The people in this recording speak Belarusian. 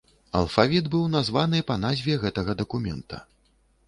Алфавіт быў названы па назве гэтага дакумента.